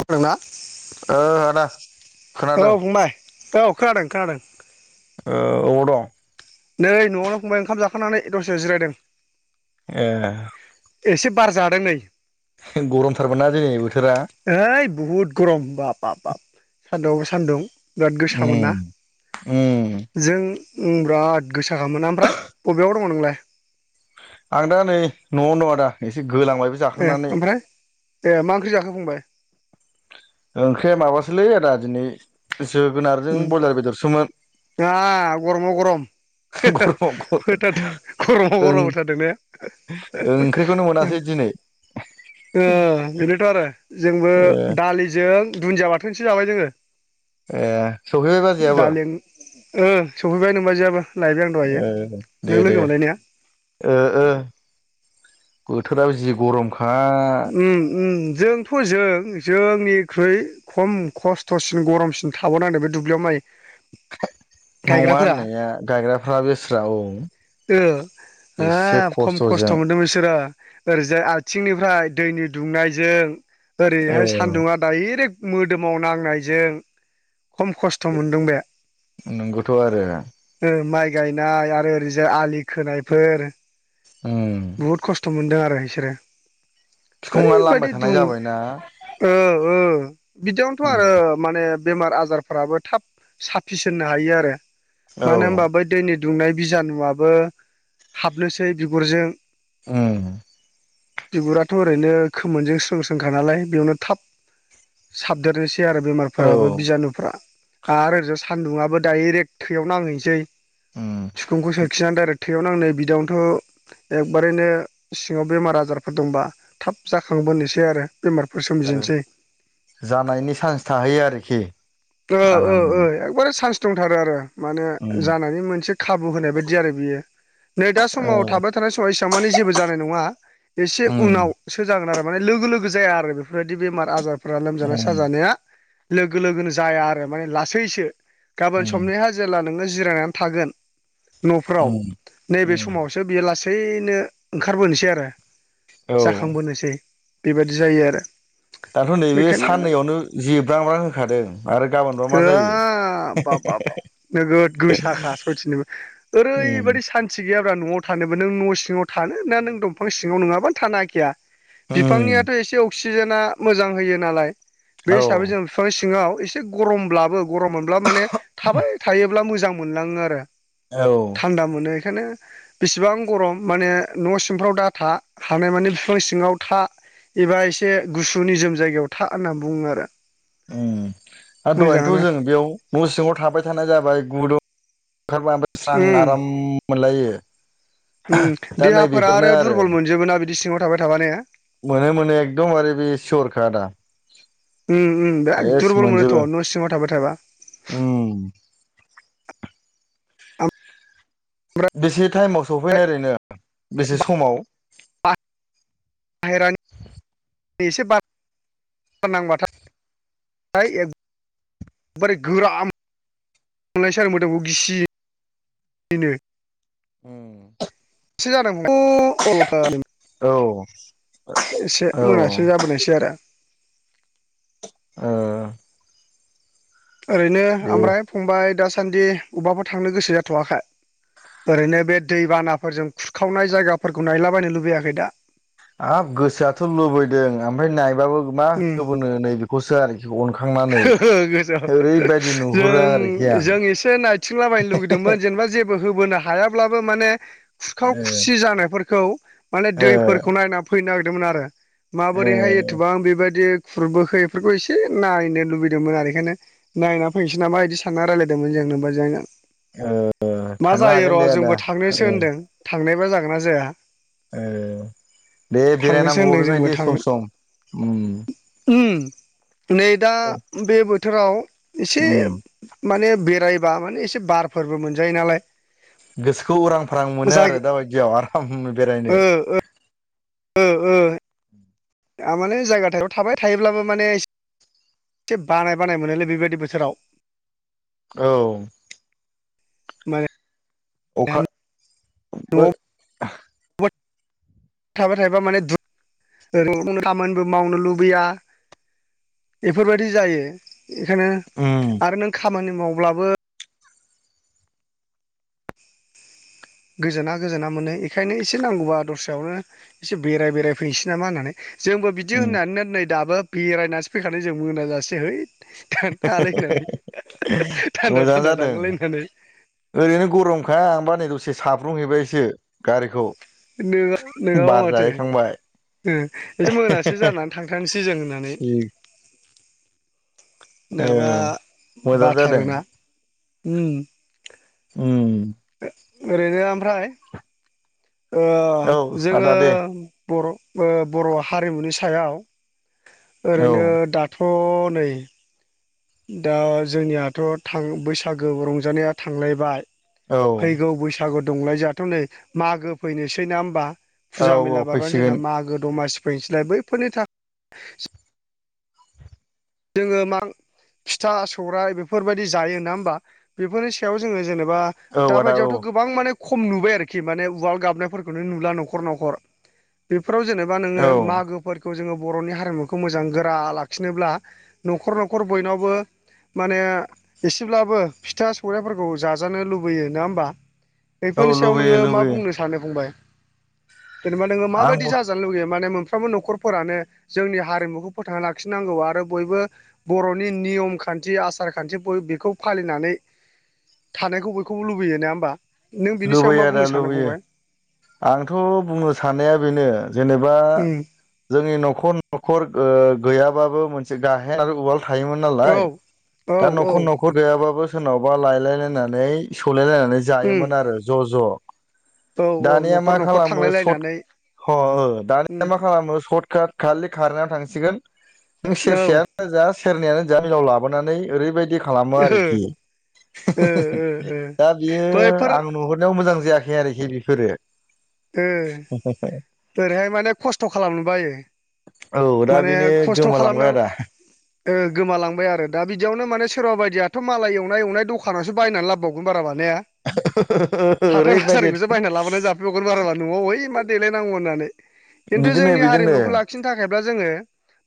खोनादोंना? ओ आदा औ खोनादों फंबाय औ खोनादों खोनादों। ओ ओबाव दं? नै न'आवनो फंबाय ओंखाम जाखांनानै दसे जिरायदों। ए। एसे बार जादों नै गरमथारबो ना दिनि बोथ ओइ बुहुद गरम बाब बाब बाब सान्दुंआव सान्दुं बिराद गोसामोना उम उम जों बिराद गोसाखोना ओमफ्राय बबेयाव दङ नोंलाय आं दा नै न'आवनो दङ आदा एसे गोलांबायबो ए जाखांनानै ओमफ्राय ए मा ओंख्रि जाखोफंबाय ओंख्रिया माबासोलै आदा दिनै उम जोगोनारजों ब्रयलार बेदरसोमोन। आ गरमाव [unintelligible] गरमाव गर होथारदों गरमाव ओं गरम होथारदों ने ओंख्रिखौनो मोनासै दिनै ओ बेनोथ' आरो जोंबो ओ दालिजों दुन्दिया बाथोनसो जाबाय जोङो। ए सफैबाय बाजैयाबो दालि ओ सफैबाय नोमबाजैयाबो लायबाय आं दहायो ए नों दे लोगो दे मोनलायनाया ओ ओ बोथोराव जि गरमखा ओम ओम जोंथ' जों जोंनिख्रुइ खम खस्थ'सिन गरमसिन थाबावनांदों बे दुब्लियाव माइ नङा गायग्राफोरा होननाया गायग्राफ्रा बेस्रा औ ओ बेसे हाब खम खस्थ' खस्थ'जों मोनदों बिसोरो ओरैजाय आथिंनिफ्राय दैनि दुंनायजों ओरैहाय औ सान्दुंङा डायरेक्ट मोदोमाव नांनायजों खम खस्थ' मोनदों बे नंगौथ' आरो ओ माइ गायनाय आरो ओरैजाय आलि खोनायफोर उम बुहुद खस्थ' मोनदों आरो बिसोरो बिखुङा लामबाय ओरैबायदि थानाय दुं जाबायना ओ ओ बिदियावनोथ' उम आरो माने बेमार आजारफ्राबो थाब साफिसोननो हायो आरो मानो औ होमबा बै दैनि दुंनाय बिजानुआबबो हाबनोसै बिगुरजों ओम बिगुराथ' ओरैनो खोमोनजों स्रों स्रोंखा नालाय बेयावनो थाब साबदेरनोसै सै आरो औ बेमारफोराबो बिजानुफ्रा आरो ओरैजा सानदुंआबो डाइरेक्ट थैयाव नांहैसै उम सिखुंखौ सोरखिनानै डाइरेक्ट थैयाव नांनो बिदियावनोथ' एखबारैनो सिङाव बेमार आजारफोर दंबा थाब जाखांबोनोसै आरो बेमारफोर सोमजिनोसै जानायनि चान्स थाहैयो आरोखि ओ ओ आरामनो ओ एकबारे चान्स दंथारो आरो माने उम जानानै मोनसे खाबु होनाय बायदि आरो बियो नै दा औ समाव थाबाय थानाय समाव माने जेबो जानाय नङा एसे उम उनावसो जागोन आरो लोगो लोगो जाया आरो बेफोरबायदि बेमार आजारफोरा लोमजानाय उम साजानाया लोगो लोगोनो जाया आरो माने लासैसो गाबोन उम समनिहा जेब्ला नोङो जिरायनानै थागोन। न'फोराव उम नैबे उम समावसो बियो लासैनो ओंखारबोनोसै आरो औ जाखांबोनोसै बेबायदि जायो आरो दाथ' नैबे बेखायनो साननैयावनो जेब्रांब्रां होखादों आरो गाबोनबा मा जायो होब बाब बाब नोगोद गोसाखा सयथिनिबो उम ओरैबायदि सान्थि गैया न'आव थानोबो नों न' सिङाव थानो ना नों दंफां सिङाव नङाबानो थानो हाखाया उम बिफांनियाथ' एसे अक्सिजेना मोजां होयो नालाय बे औ हिसाबै जों बिफां एसे गरमब्लाबो गरम मोनब्ला माने थाबाय थायोब्ला मोजां मोनलाङो आरो औ थान्दा मोनो यानो बेसेबां गरम माने न'सिंफ्राव दा था हानायमानि फिफां सिङाव था एबा एसे गुसु निजोम जायगायाव था होनना बुङो आरो। ओ दहायनोथ' मोजाङानो जों बेयाव न'सिङाव थाबाय थानाय जाबाय गुदुं ओंखारबा ओमफ्राय स्रां उम आराम मोनलायो। उम दा देहाफोरा नैबेफोरनो आरो दुरबल मोनजोबो ना बिदि सिङाव थाबाय थाबा ने? मोनो मोनो एकदमबारे बे सिउरखा आदा। उम उम बिराद सेस दुरबल मोनोथ' मोनजोबो न' सिङाव थाबाय थाबा। उम ओमफ्राय बेसे टाइमाव सफैनाय ओरैनो बेसे समाव? बाहेरानि एसे बार नांबाथाय ओफ्राय एखबारे गोराआ मोन मोनलायसै आरो मोदोमखौ गिसिनो उम। [unintelligible] औ। एसे औ ओ मोनासो जाबोनायसै आरो। ओ। ओरैनो ओमफ्राय फंबाय दासान्दि अबबाफोरा थांनो गोसो जाथ'वाखै? ओरैनो बे दैबानाफोरजों खुरखावनाय जायगाफोरखौ नायलाबायनो लुबैयाखै दा? आब गोसोआथ' लुबैदों ओमफ्राय नायबाबो मा उम होबोनो नै बेखौसो आरोखि अनखांनानै गोसो ओरैबायदि नुहुरो आरोखि । जों जों एसे नायथिंलाबायनो लुुबैदोंमोन जेनेबा जेबो होबोनो हायाब्लाबो माने खुरखाव ओ खुरसि जानायफोरखौ माने ओ दैफोरखौ नायना फैनो नागिरदोमोन आरो माबोरैहाय ओ एथबां बे बादि खुरबोखो एफोरखो एसे नायनो लैबैदोंमोन आरो एखायनो नायनानै फैसै नामा बिदि सान रायलाय मा थांनो जायो हागोन र' दे आदा जोंबो थांनोसो ओ होनदों थांनाय जागोन ना जाया। ओ दे थांनोसो बेरायनांगौ होनदों जोंबो बेबायदि थांनो सम सम उम। उम नै दा बे बोथोराव एसे उम माने बेरायबा माने एसे बारफोरबो मोनजायो नालाय। गोसोखौ उरां फारां मोनो जाय आरो दाबायदियाव आराम बेरायनो। ओ ओ ओ। आमाने जायगा थाय थाबाय थायोब्लाबो माने एसे एसे बानाय बानाय मोनोलै बेबायदि बोथोराव। औ। माने अखा बो न'आवबो थाबाय थायाबा माने दु खामानिबो मावनो लुबैया एफोरबायदि जायो एखायनो उम आरो नों खामानि मावब्लाबो गोजोना गोजोना मोनो एखायनो एसे नांगौबा दस्रायावनो एसे बेराय बेराय फैसै नामा होननानै जोंबो बिदि उम होननानै नै दाबो बेरायनासो फैखानाय जों मोनाजासे है । थोद थाङालै होननानै थान्दा मोजां थान्दा जादों थांगोनलै होननानै । ओरैनो गरमखा आंबा नै दसे साब्रुंहैबायसो गारिखौ । नोङा नोङाबा माथो। ओ एसे मोनासो जानानै थांथारनोसै जों होननानै ओ नोङाबा मोजां जादों बाथारोना उम। उम ओरैनो ओमफ्राय ओ औ जोङो आदा दे बर' बर' हारिमुनि सायाव औ ओरैनो दाथ' नै दा जोंनियाथ' थां बैसागो रंजानाया थांलायबाय औ फैगौ बैसागु दंलाय जोङाथ' नै मागो फैनोसै नोङा होमबा? औ फुजा औ मेला बारबानो जोंना फैसिगोन मागो दमासि फैनोसैलाय बैफोरनि थाख जोङो मा फिथा सौराइ बेफोरबायदि जायो ना होमबा बेफोरनि सायाव जोङो जेनेब बा औ दा आदा औ बायदियावथ' गोबां माने खम नुबाय आरोखि माने उवाल गाबनायफोरखौनो नुला न'खर न'खर बे फोराव जेनेबा औ नोङो मागोफोरखौ जोङो बर'नि हारिमुखौ मोजां गोरा लाखिनोब्ला न'खर न'खर बयनावबो माने एसेब्लाबो फिथा सौराइफोरखौ जाजानो लुबैयो। नोङा होमबा? औ बेफोरनि सायाव लुबैयो नोङो मा लुबैयो बुंनो सानो फंबाय? जेनेबा नोङो माबादि आंबो जाजानो लुुबै माने मो फ्रोमबो न'खरफोरानो जोंनि हारिमुखौ फोथांना लाखिनांगौ आरो बयबो बर'नि नियम खान्थि आसार खान्थि बय बेखौ फालिनानै थानायखौ बयखौबो लुबैयो। नोङा होमबा? नों बिनि सायाव मा लुबैयो आदा बुंनो सानो लुबैयो फंबाय आंथ' बुंनो साननाया बेनो जेनेबा उम जोंनि न'खर न'खर ओ गैयाबाबो मोनसे गाहेन आरो उवाल थायोमोन औ नालाय औ दा औ न'खर न'खर गैयाबाबो सोरनावबा लायलाय लायनानै सौलाय लायनानै उम मोन आरो ज' ज' औ औ दानिया न'खर मा न'खर खालामो सथ थांलायलायनानै ह हो दानिया उम मा खालामो सथ काट खालि खारनायाव थांसिगोन नों औ सेरसेयानो जा सेरनैयानो जा मिलाव लाबोनानै ओरैबायदि खालामो आरोखि ओ ओ [unintelligible] ओ दा बियो बैफोर हरनायाव मोजां जायाखै आरोखि बेफोरो। ओ ओरैहाय माने खस्थ' खालामनो बायो। औ दा माने बेनो खस्थ' खालामनो गोमालांबाय आदा ओ गोमालांबाय आरो दा बिदियावनो माने सोरबा बायदिया दाथ' मालाय एवनाय एवनाय दखानासो बायनानै लाबोबावगोन बाराबा ने हाथाय ओरैबायदि बाजारखौसो बायना लाबोना जा बाराबा न'आव है मा देलाय नांगौ होननानै खिन्थु बिदिनो जोंनि बिदिनो हरिमुखौ लाखिनो थाखायब्ला जोङो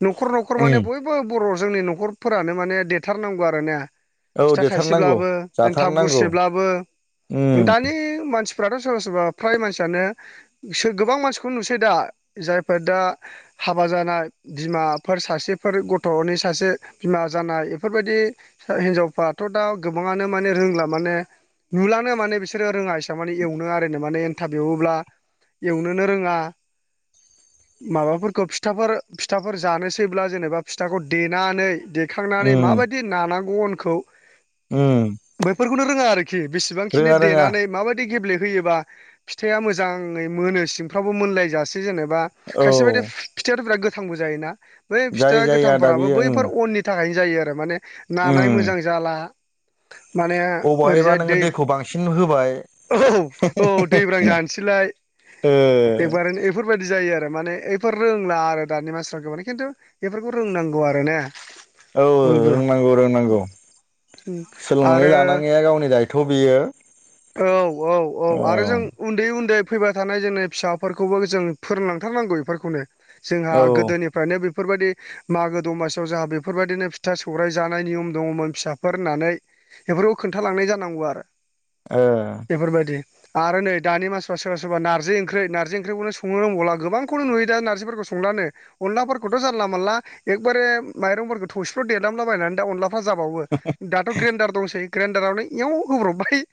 न'खर न'खर उम माने बयबो बर' जोंनि न'खरफोरानो माने देथारनांगौ आरोने औ फिथा देथारनांगौ थाइसेब्लाबो एनथाब जाथारनांगौ गुरसेब्लाबो उम दानि मानसि फ्राथ' सोरबा सोरबा फ्राय मानसियानो सो गोबां मानसिखौनो नुसै दा जायफ्रा दा हाबा जानाय बिमाफोर सासेफोर गथ'नि सासे बिमा जानाय बेफोरबायदि फिसा हिनजावफा थ' दा गोबाङानो माने रोंला माने नुलानो माने बिसोरो रोङा इसिबां मानि एवनो आरोनो माने एनथाब एवोब्ला एवनोनो रोङा। माबाफोरखौ फिथाफोर फिथाफोर जानोसैब्ला जेनेबा फिथाखौ देनानै दे खांनानै उम माबादि नानांगौ अनखौ उम। बेफोरखौनो रोङा आरोखि बेसेबांखिनि रोङा रोङा देनानै माबायदि गेब्लेहोयोबा फिथाआ मोजाङै मोनो सिंफ्रावबो मोनलायजासे जेनेबा औ खायसे बायदि फि-फिथाआथ' बिराद गो थांबो जायोना बै जाय फिथा जाय आदा गोथांफोराबो बियो उम बैफोर अननि थाखायनो जायो आरो माने उम नानाय मोजां जाला माने अबहायबा ओरैजाय नोङो दै दैखौ बांसिन होबाय [unintelligible] औ औ गोथां जानसैलाय ओ एकबारेनो एफोरबायदि जाय यो आरो माने एफोर रोंला आरो दानि मानसिफोरा गोबां खिन्थु बेफोरखौ रोंनांगौ आरोना। औ रोंनांगौ रोंनांगौ। सोलोंनानै आरो लानाङैया गावनि दायथ' बियो‌। औ औ औ आरो जों उन्दै उन्दै फैबाय थानाय जोंनि फिसाफोरखौबो जों फोरोंलांथारनांगौ इफोरखौनो। जोंहा औ ओ गोदोनिफ्रायनो बि फोरबायदि मागो दमासियाव जोहा बेफोरबायदिनो फिथा सौराइ जानाय नियम दङमोन फिसाफोर होननानै। बेफोरखौ खोन्थालांनाय जानांगौ आरो [inaudible] ओ बेफोरबायदि आरो नै दानि मानसिफ्रा सोरबा सोरबा नारजि ओंख्रै नारजि ओंख्रैखौनो संनो रोंबावला गोबांखौनो नुयो दा नारजिफोरखौ संलानो अनलाफोरखौथ' जानला मानला एकबारे माइरंफोरखौ थौसिफ्राव देदामलाबायनानै दा अनला जाबावो दाथ' ग्रेन्डार दंसै ग्रेन्डारावनो एव होब्रबबाय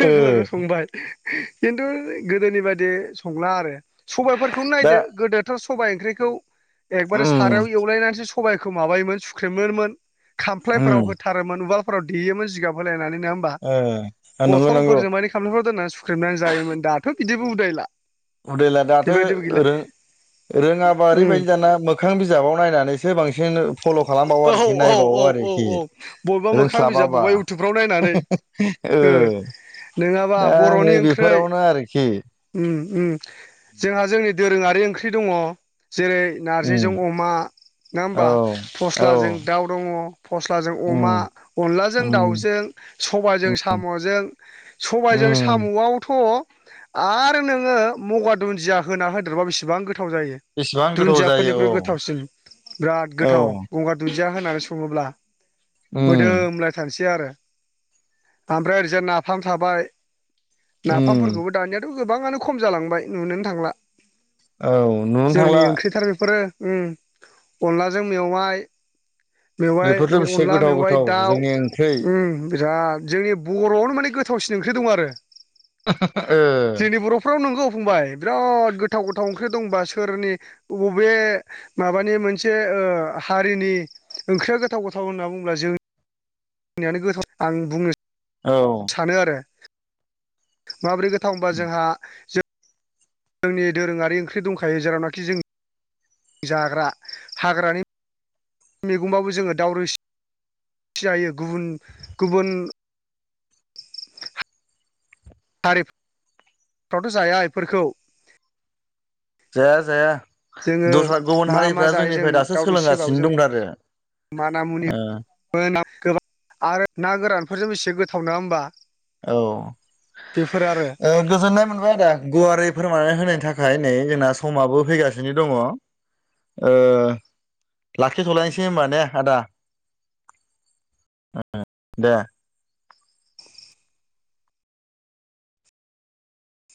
लोगो लोगो संबाय । खिन्थु गोदोनि बायदि संला आरो सबायफोरखौनो दा नायदो गोदोथ' सबाइ ओंख्रिखौ एकबारे उम सारायाव एवलायनानैसो सबाइखौ माबायोमोन सुख्रेमोमोन । उम खामफ्लायफोराव होथारोमोन उवालफोराव देयोमोन जिगाब होलायनानै नोंङा होमबा । ओ नंगौ नंगौ बथलफोरजों माने खामलाफोर दोननानै सुख्रेमनानै जायोमोन दाथ' बिदिबो उदायला । उदायलाय दाथो रों रोङाबा उम ओरैबायदि दाना मोखां बिजाबाव नायनानैसो बांसिन फल' खालामबावो औ आरोखि औ औ नायबावो औ आरोखि औ बबेबा मोखां बिजाब रोंस्लाबाबा बबेबा इउटुबफ्राव [unintelligible] ओ ओ नोङाबा बर'नि ओंख्रै आरोखि उम उम जोंहा जोंनि दोरोङारि ओंख्रि दङ जेरै उम नारजिजों अमा नोङा औ होमबा । औ फस्लाजों दाउ दङ । फस्लाजों अमा उम अनलाजों उम दाउजों सबाइजों साम'जों सबायजों जों उम साम'आवथ' आरो नोङो मगा दुन्दिया होना होदेरबा बेसेबां गो थाव जायो बेसेबां गोथाव जायो दुन्दियाफोरनिख्रुइ औ गोथावसिन बिराद औ गोथाव गंगार दुन्दिया होनानै सङोब्ला उम मोदोमलायथारनोसै आरो । आमफ्राय ओरैजाय नाफाम थाबाय उम नाफामफोरखौबो दानियाथ' गोबाङानो खम जालांबाय नुनोनो थांला औ नुनो जोंनि थांला ओंख्रिथार बेफोरो । उम अनलाजों मेवाय मेवाइ बेफोरथ' बेसे अनला गोथाव मेवाइ गोथाव दाउ जोंनि ओंख्रै उम बिराद जोंनि बर'आवनो माने गोथावसिन ओंख्रि दं आरो । ओ जोंनि बर'फ्राव नोंगौ फंबाय बिराद गोथाव गोथाव ओं ख्रिफोर दंबा सोरनि अबे माबानि मोनसे ओ हारिनि ओंख्रिया गोथाव गोथाव होनना बुंब्ला जों जोंनियानो गोथाव आं बुंनो औ सानो आरो माबोरै गोथाव होनबा जोंहा जों जोंनि दोरोङारि ओंख्रि दंखायो जेरावनाखि जों जाग्रा हाग्रानि मेगंबाबो जोङो दाउ रोसि जायो गुबुन गुबुन हारिफ्राथ' जाया इफोरखौ । जाया जाया दस्रा गुबुन मा मा हारिफ्रा जायो जोंनिफ्राय दासो सोलोंगासिनो दंथारो । मान मुनि [unintelligible] गोबां आरो ना गोरानफोरजों एसे गोथाव नङा होमबा । औ ओ गोजोननाय मोनबाय आदा गुवारै फोरमायनानै होनायनि थाखाय नै जोंना समाबो फैगासिनो दङ ओ लाखिथ'लायनोसै होमबा नेे आदा । [unintelligible] दे